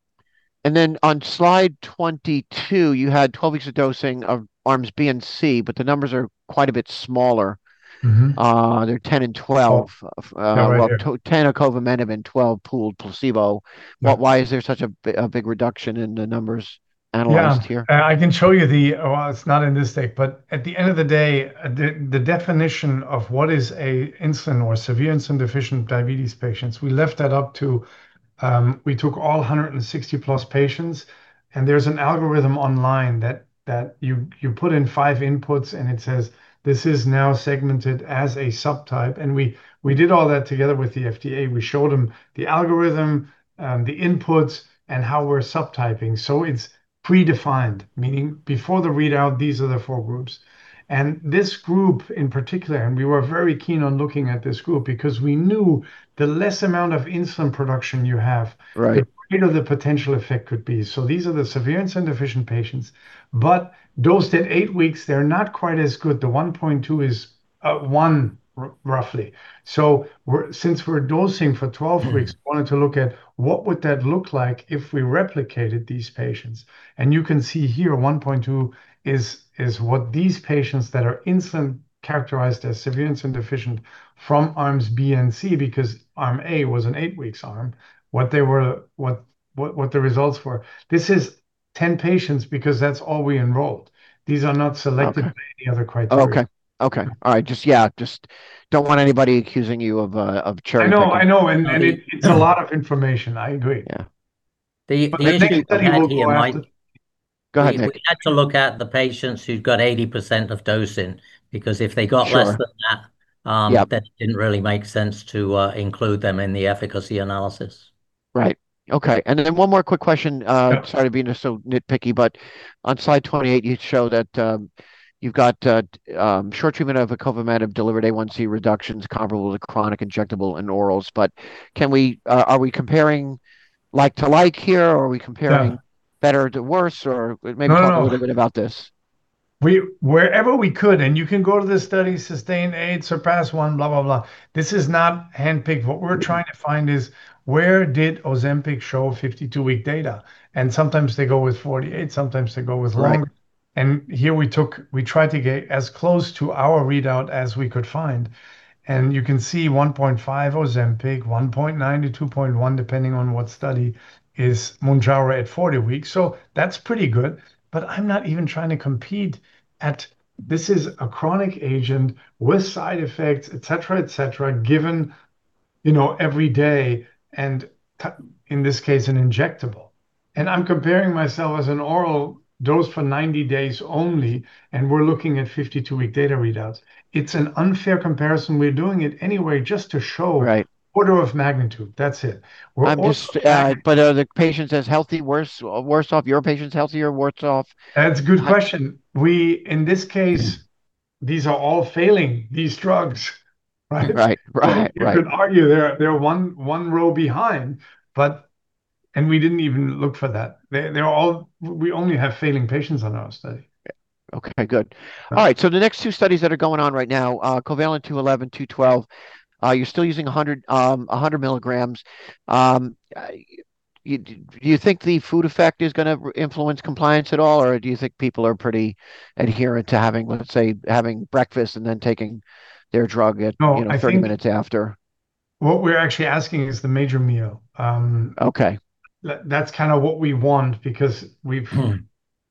slide 22, you had 12 weeks of dosing of arms B and C, but the numbers are quite a bit smaller. They're 10 and 12. Yeah, right here. 10 of icovamenib and 12 pooled placebo. Why is there such a big reduction in the numbers analyzed here? Yeah. I can show you the. Well, it's not in this deck, but at the end of the day, the definition of what is an insulin or severe insulin deficient diabetes patients, we left that up to. We took all 160-plus patients, and there's an algorithm online that you put in five inputs and it says, "This is now segmented as a subtype." We did all that together with the FDA. We showed them the algorithm, the inputs, and how we're subtyping. So it's predefined, meaning before the readout, these are the four groups. This group in particular, and we were very keen on looking at this group, because we knew the less amount of insulin production you have. Right the greater the potential effect could be. These are the severe insulin deficient patients. Dosed at eight weeks, they're not quite as good. The 1.2 is roughly. Since we're dosing for 12 weeks, we wanted to look at what would that look like if we replicated these patients. You can see here, 1.2 is what these patients that are insulin characterized as severe insulin deficient from arms B and C, because arm A was an eight weeks arm, what the results were. This is 10 patients because that's all we enrolled. These are not selected. Okay By any other criteria. Okay. All right. Just, yeah, just don't want anybody accusing you of cherry picking. I know. I know. And, and it's a lot of information. I agree. Yeah. The, the- The next study will go after. The thing about it though, Mike. Go ahead, Mick. We had to look at the patients who'd got 80% of dosing, because if they got less than that. Sure. Yeah That didn't really make sense to include them in the efficacy analysis. Right. Okay. One more quick question. Sorry to be, you know, so nitpicky, but on slide 28 you show that you've got short treatment of the icovamenib delivered A1C reductions comparable to chronic injectables and orals, but are we comparing like to like here, or are we comparing- Yeah Better to worse, or maybe talk a little bit about this. No, no. We, wherever we could, and you can go to the study SUSTAIN 8, SURPASS-1, blah, blah, blah. This is not handpicked. What we're trying to find is where did Ozempic show 52-week data. Sometimes they go with 48, sometimes they go with longer. Here we took, we tried to get as close to our readout as we could find. You can see 1.5 Ozempic, 1.9-2.1 depending on what study, is Mounjaro at 40 weeks, so that's pretty good. But I'm not even trying to compete at this is a chronic agent with side effects, et cetera, et cetera, given, you know, every day, and in this case, an injectable. I'm comparing myself as an oral dosed for 90 days only, and we're looking at 52-week data readouts. It's an unfair comparison. We're doing it anyway just to show. Right order of magnitude. That's it. We're also Are the patients as healthy? Worse off? Your patients healthier? Worse off? That's a good question. We, in this case, these are all failing, these drugs, right? Right. You could argue they're one row behind, but we didn't even look for that. We only have failing patients on our study. Okay, good. All right, the next two studies that are going on right now, COVALENT-211, COVALENT-212, you're still using 100 mg. Do you think the food effect is gonna influence compliance at all, or do you think people are pretty adherent to having, let's say, breakfast and then taking their drug at- No, I think. You know, 30 minutes after? What we're actually asking is the major meal. Okay. That's kinda what we want because we've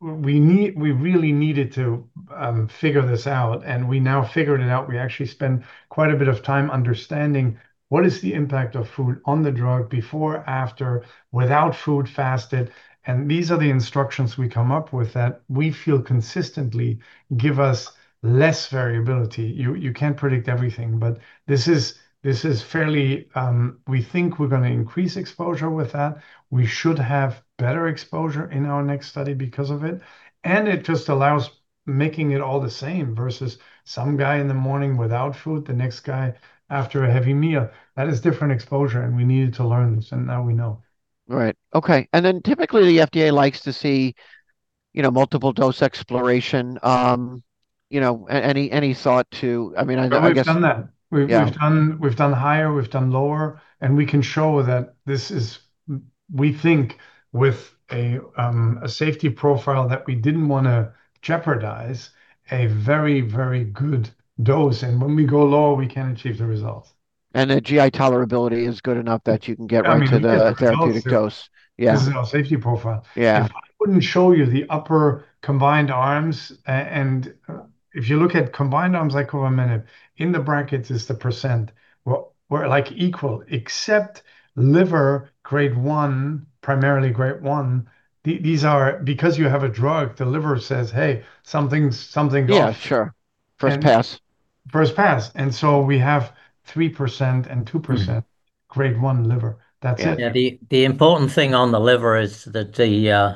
we really needed to figure this out. We now figured it out. We actually spent quite a bit of time understanding what is the impact of food on the drug before, after, without food, fasted, and these are the instructions we come up with that we feel consistently give us less variability. You can't predict everything, but this is fairly we think we're gonna increase exposure with that. We should have better exposure in our next study because of it, and it just allows making it all the same versus some guy in the morning without food, the next guy after a heavy meal. That is different exposure, and we needed to learn this, and now we know. Right. Okay. Typically the FDA likes to see, you know, multiple dose exploration. You know, any thought to? I mean, I guess. We've done that. Yeah. We've done higher, we've done lower, and we can show that this is, we think, with a safety profile that we didn't wanna jeopardize a very, very good dose, and when we go lower, we can't achieve the results. The GI tolerability is good enough that you can get right to the I mean, we get the results. therapeutic dose. Yes because of our safety profile. Yeah. If I wouldn't show you the upper combined arms, and if you look at combined arms like a minute, in the brackets is the percent. Well, we're like equal, except liver grade 1, primarily grade 1. These are because you have a drug, the liver says, hey, something's something Yeah, sure. First pass. First pass. And so we have 3% and 2% grade 1 liver. That's it. The important thing on the liver is that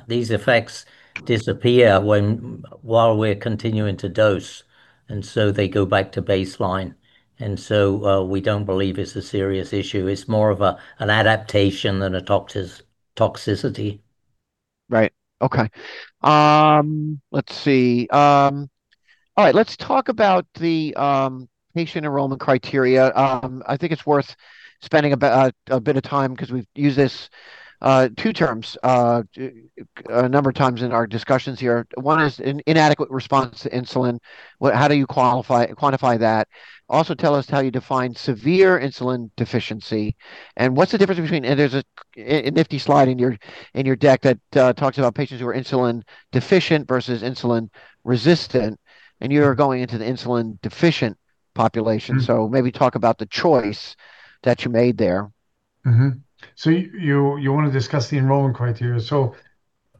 these effects disappear while we're continuing to dose, and so they go back to baseline, and so we don't believe it's a serious issue. It's more of an adaptation than a toxicity. Right. Okay. Let's see. All right, let's talk about the patient enrollment criteria. I think it's worth spending about a bit of time because we've used this two terms a number of times in our discussions here. One is inadequate response to insulin. How do you quantify that? Also tell us how you define severe insulin deficiency, and what's the difference between, and there's a nifty slide in your deck that talks about patients who are insulin deficient versus insulin resistant, and you're going into the insulin deficient population. So maybe talk about the choice that you made there. So you want to discuss the enrollment criteria. So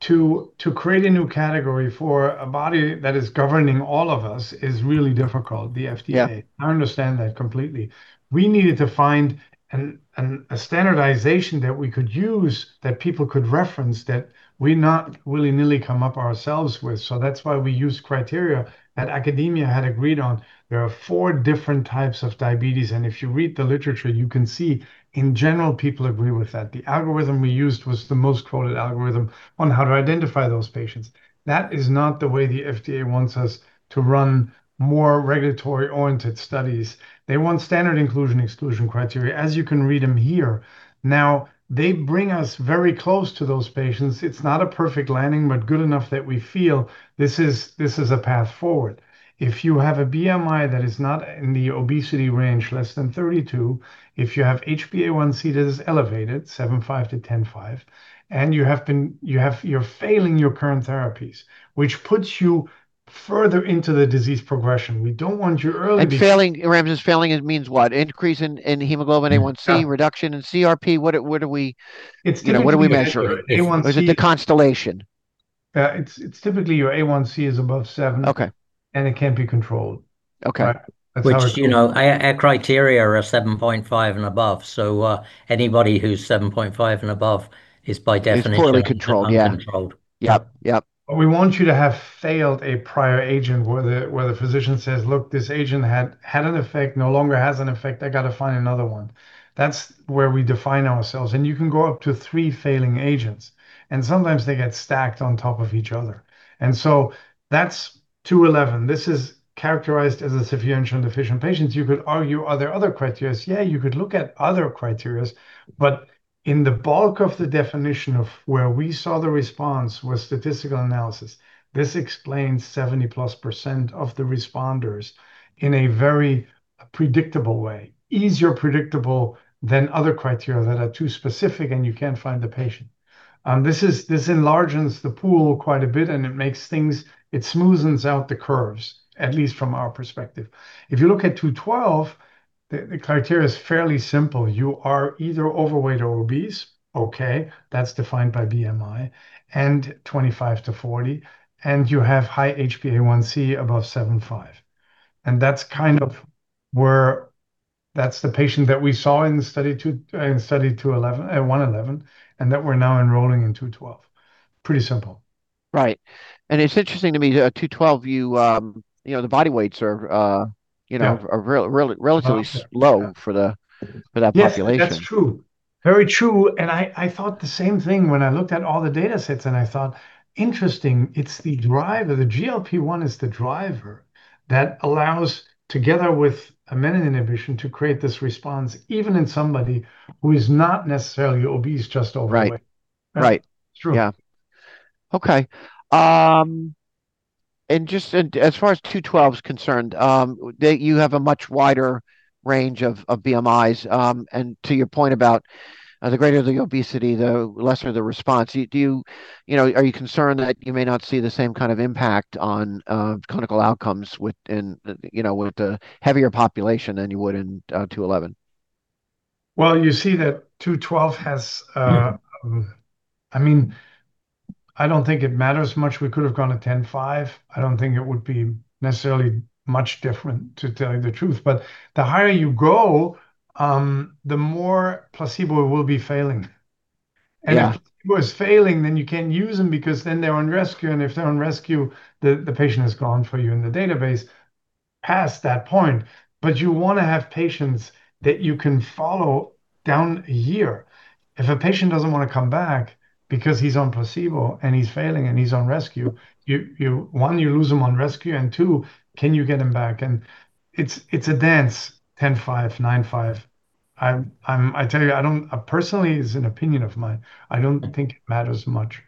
to create a new category for a body that is governing all of us is really difficult. The FDA, I understand that completely. We needed to find a standardization that we could use that people could reference that we not willy-nilly come up ourselves with, so that's why we used criteria that academia had agreed on. There are four different types of diabetes, and if you read the literature, you can see in general people agree with that. The algorithm we used was the most quoted algorithm on how to identify those patients. That is not the way the FDA wants us to run more regulatory-oriented studies. They want standard inclusion. Inclusion criteria, as you can read them here. Now, they bring us very close to those patients. It's not a perfect landing, but good enough that we feel this is a path forward. If you have a BMI that is not in the obesity range, less than 32, if you have HbA1c that is elevated, 7.5-10.5, and you are failing your current therapies, which puts you further into the disease progression. We don't want you early disease. And failing means what? Increase in hemoglobin A1c, reduction in CRP? What do we measure? [crosstalk] Is it the constellation? Typically, your A1c is above seven. Okay. And it can't be controlled. Okay. And you know, our criteria are a 7.5 and above, so anybody who's 7.5 and above is by definition [crosstalk] Poorly controlled. Yeah. But we want you to have failed a prior agent where the physician says, look, this agent had an effect, no longer has an effect, I've got to find another one. That's where we define ourselves, and you can go up to three failing agents. And sometimes they get stacked on top of each other. And so that's 211. This is characterized as a sufficient deficiency of patients. You could argue, are there other criteria? Yeah, you could look at other criteria, but in the bulk of the definition of where we saw the response was statistical analysis. This explains +70% of the responders in a very predictable way, easier predictable than other criteria that are too specific and you can't find the patient. This enlarges the pool quite a bit and it makes things, it smooths out the curves, at least from our perspective. If you look at 212, the criteria is fairly simple. You are either overweight or obese, okay, that's defined by BMI, and 25-40, and you have high HbA1c, above 7.5. And that's kind of where, that's the patient that we saw in study 211 and that we're now enrolling in 212. Pretty simple. Right. And it's interesting to me that 212, you know, the body weights are, you know, are relatively low for the population. Yes, that's true. Very true. Yeah. And I thought the same thing when I looked at all the data sets, and I thought, interesting, it's the driver, the GLP-1 is the driver that allows, together with a menin inhibition, to create this response, even in somebody who is not necessarily obese just already. Right. Right. Yeah. Okay. It just said, as far as 212 is concerned, that you have a much wider range of BMIs, and to your point about the greater the obesity, the lesser the response, do you, you know, are you concerned that you may not see the same kind of impact on clinical outcomes within, you know, with the heavier population than you would in 211? Well, you see that 212 has, I mean, I don't think it matters much. We could have gone to 10.5. I don't think it would be necessarily much different, to tell you the truth, but the higher you go, the more placebo will be failing. And if it's failing, then you can't use them because then they're on rescue. If they're on rescue, the patient is gone for you in the database past that point. You wanna have patients that you can follow down a year. If a patient doesn't wanna come back because he's on placebo and he's failing and he's on rescue, one, you lose him on rescue, and two, can you get him back? It's a dance, 10.5, 9.5. I tell you, personally, it's an opinion of mine, I don't think it matters much.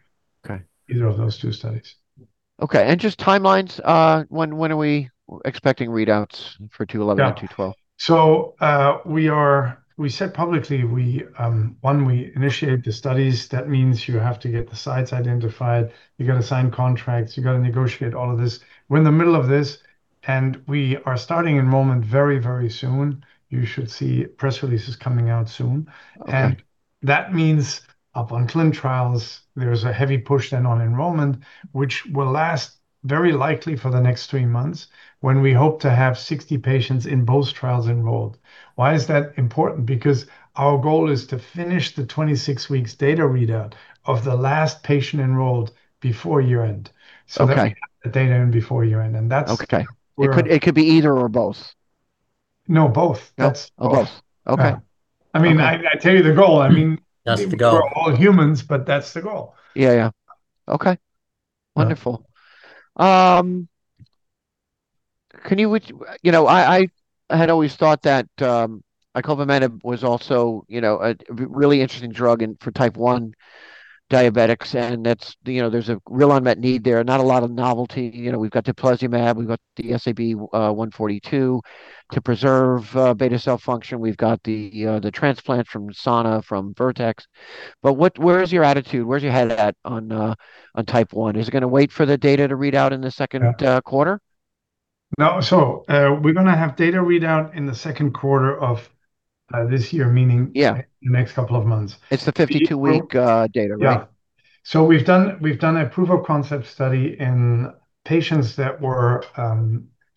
Okay Either of those two studies. Okay. Just timelines, when are we expecting readouts for 211? Yeah COVALENT-212? We said publicly, one, we initiated the studies. That means you have to get the sites identified, you gotta sign contracts, you gotta negotiate all of this. We're in the middle of this, and we are starting enrollment very, very soon. You should see press releases coming out soon. Okay. That means upon clinical trials, there's a heavy push then on enrollment, which will last very likely for the next three months when we hope to have 60 patients in both trials enrolled. Why is that important? Because our goal is to finish the 26 weeks' data readout of the last patient enrolled before year-end. Okay. So that we have the data in before year-end. That's Okay... where our- It could be either or both. No, both. Yeah. That's both. Both. Okay. Yeah. I mean, I tell you the goal. I mean. That's the goal. We're all humans, but that's the goal. Yeah, yeah. Okay. Yeah. Wonderful. Would you know, I had always thought that icovamenib was also, you know, a really interesting drug for Type 1 diabetics, and that's, you know, there's a real unmet need there. Not a lot of novelty. You know, we've got teplizumab, we've got the SAB-142 to preserve beta cell function. We've got the transplant from Sana, from Vertex. Where is your attitude? Where is your head at on Type 1? Is it gonna wait for the data to read out in the second quarter? No. We're gonna have data readout in the second quarter of this year, meaning- Yeah the next couple of months. It's the 52-week. The data, right? Yeah. We've done a proof of concept study in patients that were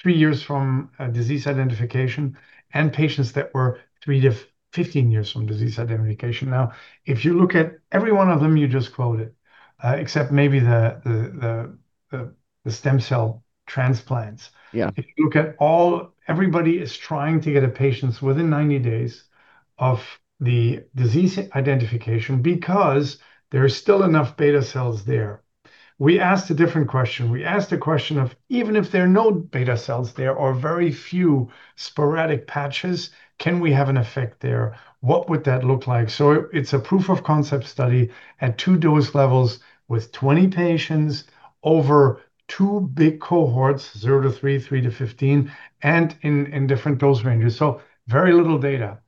three years from a disease identification and patients that were three to 15 years from disease identification. Now, if you look at every one of them you just quoted, except maybe the stem cell transplants- Yeah If you look at all, everybody is trying to get patients within 90 days of the disease identification because there are still enough beta cells there. We asked a different question. We asked a question of even if there are no beta cells there, or very few sporadic patches, can we have an effect there? What would that look like? It's a proof of concept study at two dose levels with 20 patients over two big cohorts, 0-3, 3-15, and in different dose ranges. So very little data.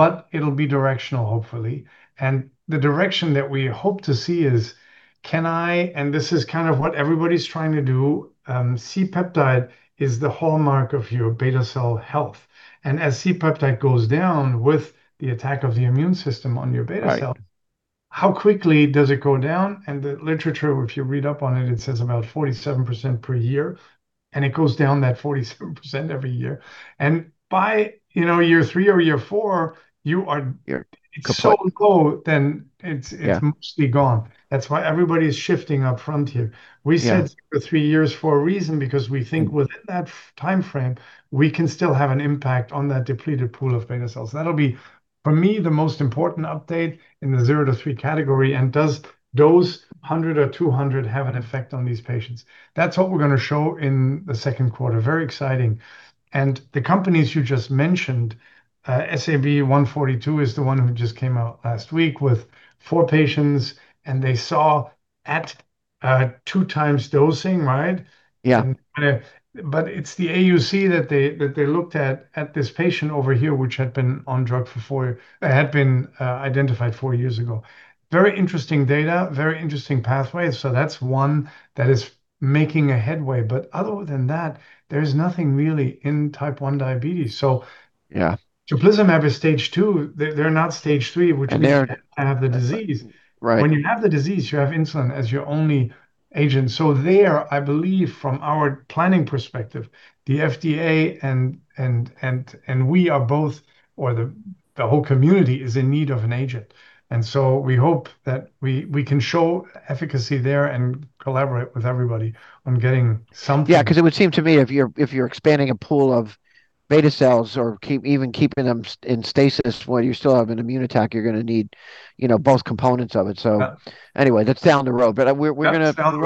But it'll be directional hopefully. The direction that we hope to see is can I, and this is kind of what everybody's trying to do, C-peptide is the hallmark of your beta cell health. As C-peptide goes down with the attack of the immune system on your beta cell. Right How quickly does it go down? The literature, if you read up on it says about 47% per year, and it goes down that 47% every year. By, you know, year three or year four, you are- Yeah. It's so low. Yeah It's mostly gone. That's why everybody is shifting up front here. Yeah. We said three years for a reason, because we think within that timeframe, we can still have an impact on that depleted pool of beta cells. That'll be, for me, the most important update in the zero-three category. Does those 100 or 200 have an effect on these patients? That's what we're gonna show in the second quarter. Very exciting. The companies you just mentioned, SAB-142 is the one who just came out last week with four patients, and they saw at, two times dosing, right? Yeah. It's the AUC that they looked at this patient over here, which had been identified four years ago. Very interesting data, very interesting pathways. That's one that is making a headway. Other than that, there is nothing really in Type 1 diabetes. Yeah teplizumab is stage 2. They're not stage 3, which means- They aren't. They have the disease. Right. When you have the disease, you have insulin as your only agent. There, I believe from our planning perspective, the FDA and we are both, or the whole community is in need of an agent. We hope that we can show efficacy there and collaborate with everybody on getting something. Yeah. 'Cause it would seem to me if you're expanding a pool of beta cells or even keeping them in stasis while you still have an immune attack, you're gonna need, you know, both components of it. Yeah Anyway, that's down the road. We're gonna- That's down the road.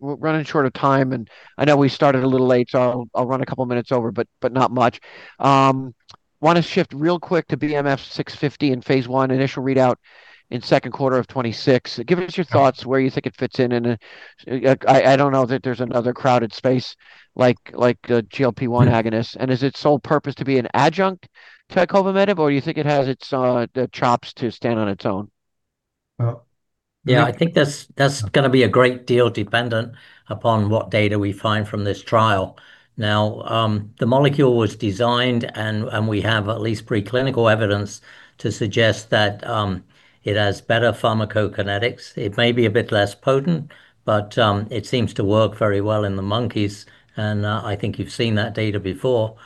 We're running short of time, and I know we started a little late, so I'll run a couple minutes over, but not much. Wanna shift real quick to BMF-650 in phase I, initial readout in Q2 2026. Give us your thoughts where you think it fits in. Yeah, I don't know that there's another crowded space like GLP-1 agonist. Is its sole purpose to be an adjunct to icovamenib, or you think it has its chops to stand on its own? Well, yeah. Yeah. I think that's gonna be a great deal dependent upon what data we find from this trial. Now, the molecule was designed and we have at least preclinical evidence to suggest that it has better pharmacokinetics. It may be a bit less potent, but it seems to work very well in the monkeys, and I think you've seen that data before.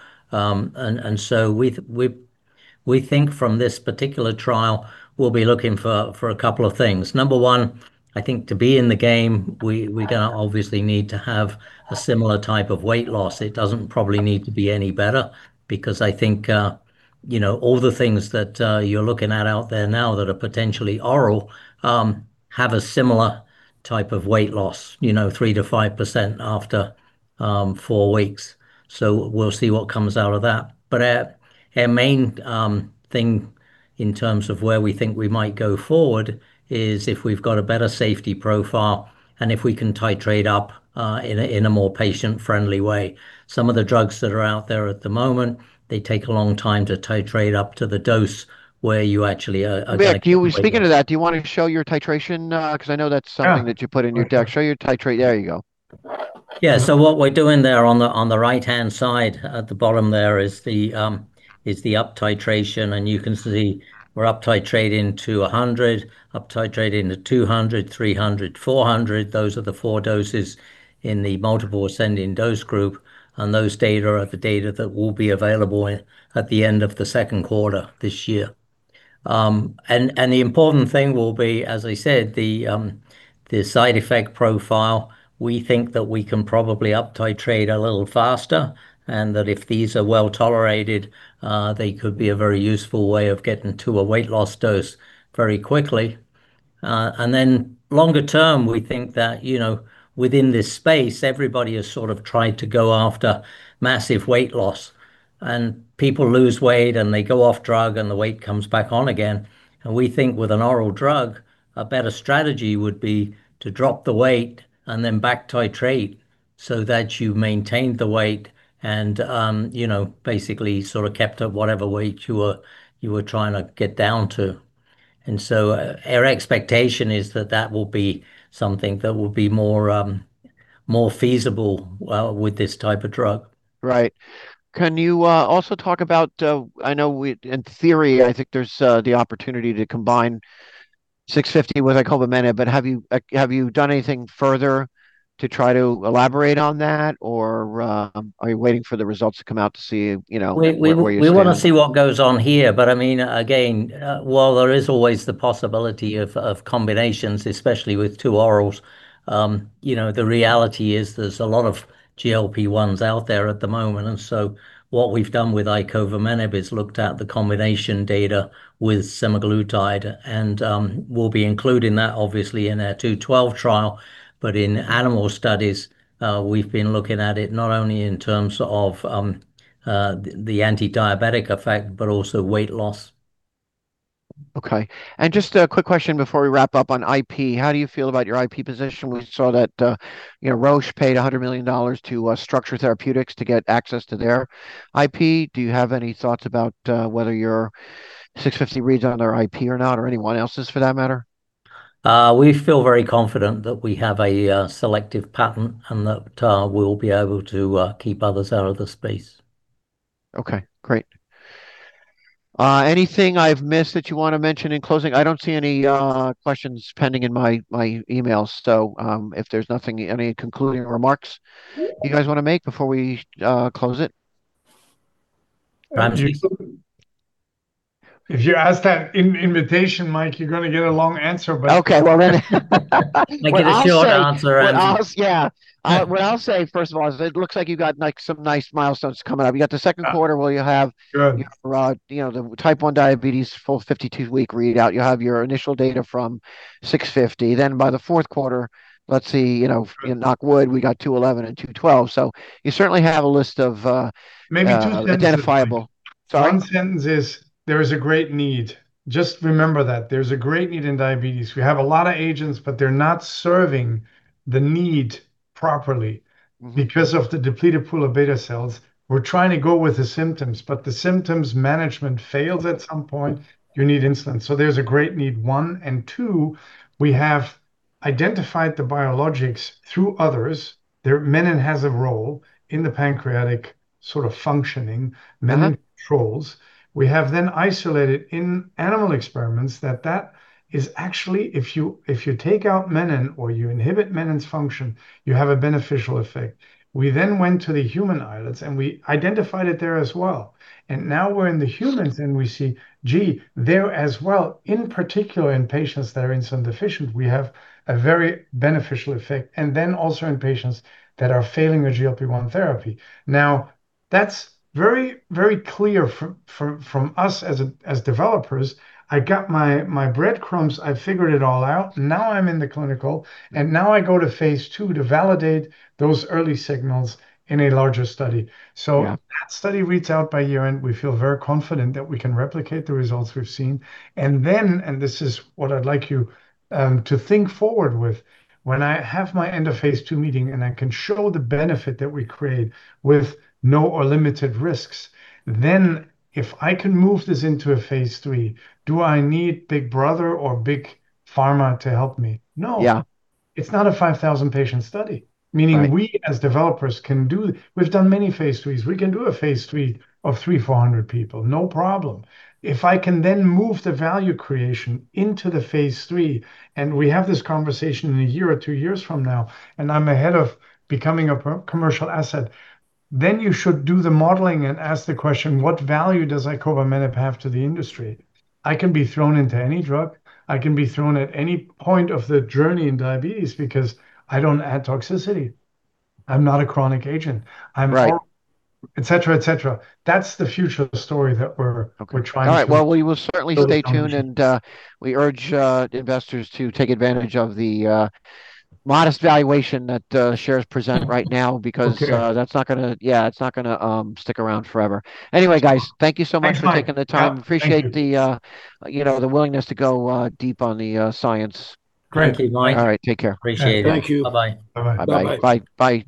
We think from this particular trial we'll be looking for a couple of things. Number one, I think to be in the game, we gonna obviously need to have a similar type of weight loss. It doesn't probably need to be any better because I think, you know, all the things that you're looking at out there now that are potentially oral have a similar type of weight loss, you know, 3%-5% after four weeks. We'll see what comes out of that. Our main thing in terms of where we think we might go forward is if we've got a better safety profile and if we can titrate up in a more patient-friendly way. Some of the drugs that are out there at the moment, they take a long time to titrate up to the dose where you actually are getting the weight loss. Mick, speaking of that, do you wanna show your titration? 'Cause I know that's something. Yeah that you put in your deck. Show your titrate. There you go. Yeah. What we're doing there on the right-hand side, at the bottom there is the uptitration. You can see we're uptitrating to 100, 200, 300, 400. Those are the four doses in the multiple ascending dose group, and those data are the data that will be available at the end of the second quarter this year. The important thing will be, as I said, the side effect profile. We think that we can probably uptitrate a little faster, and that if these are well-tolerated, they could be a very useful way of getting to a weight loss dose very quickly. Then longer term, we think that, you know, within this space, everybody has sort of tried to go after massive weight loss. People lose weight, and they go off drug, and the weight comes back on again. We think with an oral drug, a better strategy would be to drop the weight and then back titrate so that you've maintained the weight and, you know, basically sort of kept up whatever weight you were trying to get down to. Our expectation is that that will be something that will be more, more feasible with this type of drug. Right. Can you also talk about, I know. In theory, I think there's the opportunity to combine 650 with icovamenib. Have you done anything further to try to elaborate on that? Are you waiting for the results to come out to see, you know, where you stand? We wanna see what goes on here. I mean, again, while there is always the possibility of combinations, especially with two orals, you know, the reality is there's a lot of GLP-1s out there at the moment. What we've done with icovamenib is looked at the combination data with semaglutide. We'll be including that obviously in our COVALENT-212 trial. In animal studies, we've been looking at it not only in terms of the anti-diabetic effect, but also weight loss. Okay. Just a quick question before we wrap up on IP. How do you feel about your IP position? We saw that, you know, Roche paid $100 million to Structure Therapeutics to get access to their IP. Do you have any thoughts about whether your 650 reads on their IP or not, or anyone else's for that matter? We feel very confident that we have a selective patent and that we'll be able to keep others out of the space. Okay, great. Anything I've missed that you wanna mention in closing? I don't see any questions pending in my email. If there's nothing, any concluding remarks you guys wanna make before we close it? If you ask that invitation, Mike, you're gonna get a long answer, but. Okay. Well, then Make it a short answer and- What I'll say, first of all, is it looks like you've got, like, some nice milestones coming up. You got the second quarter where you have. You know, the Type 1 diabetes full 52-week readout. You'll have your initial data from 650. Then by the fourth quarter, let's see, you know, knock wood, we got 211 and COVALENT-212. So you certainly have a list of, Maybe two sentences. Sorry. One sentence is there is a great need. Just remember that. There's a great need in diabetes. We have a lot of agents, but they're not serving the need properly. Because of the depleted pool of beta cells, we're trying to go with the symptoms, but the symptoms management fails at some point. You need insulin. There's a great need, one. Two, we have identified the biologics through others. There, menin has a role in the pancreatic sort of functioning. Menin controls. We have isolated in animal experiments that is actually, if you, if you take out menin or you inhibit menin's function, you have a beneficial effect. We went to the human islets, and we identified it there as well. Now we're in the humans, and we see, gee, there as well, in particular in patients that are insulin deficient, we have a very beneficial effect, and then also in patients that are failing the GLP-1 therapy. That's very clear from us as developers. I got my breadcrumbs, I've figured it all out, now I'm in the clinical, and now I go to phase II to validate those early signals in a larger study. Yeah. If that study reads out by year-end, we feel very confident that we can replicate the results we've seen. This is what I'd like you to think forward with, when I have my end of phase II meeting and I can show the benefit that we create with no or limited risks, if I can move this into a phase III, do I need Big Brother or Big Pharma to help me? No. Yeah. It's not a 5,000 patient study. Right. Meaning we as developers can do. We've done many phase IIIs. We can do a phase III of 300-400 people, no problem. If I can then move the value creation into the phase III, and we have this conversation in a year or two years from now, and I'm ahead of becoming a pre-commercial asset, then you should do the modeling and ask the question, what value does icovamenib have to the industry? I can be thrown into any drug. I can be thrown at any point of the journey in diabetes because I don't add toxicity. I'm not a chronic agent. I'm for- Right Et cetera, et cetera. That's the future story that we're. Okay We're trying to. All right. Well, we will certainly stay tuned. Build upon this. We urge investors to take advantage of the modest valuation that shares present right now because Okay That's not gonna stick around forever. Anyway, guys. Thanks, Mike. Thank you so much for taking the time. No, thank you. I appreciate, you know, the willingness to go deep on the science. Great. Thank you, Mike. All right. Take care. Appreciate it. Thank you. Bye-bye. Bye-bye. Bye.